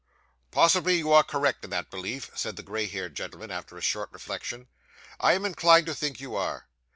'Possibly you are correct in that belief,' said the grey haired gentleman after a short reflection. 'I am inclined to think you are.